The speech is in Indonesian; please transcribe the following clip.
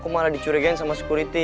aku malah dicurigain sama security